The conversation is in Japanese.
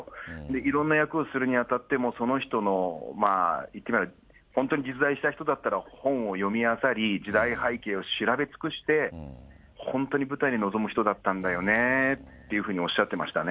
いろんな役をするにあたって、その人のいってみれば、本当に実在した人だったら、本を読みあさり、時代背景を調べ尽くして、本当に舞台に臨む人だったんだよねっていうふうにおっしゃってましたね。